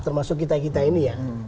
termasuk kita kita ini ya